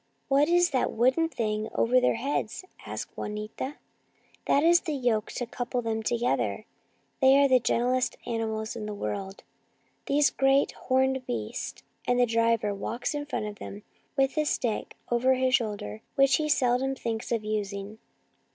" What is that wooden thing over their heads ?" asked Juanita. " That is the yoke to couple them together. They are the gentlest animals in the world, these great, horned beasts, and the driver walks in front of them with a stick over his shoulder, which he seldom thinks of using."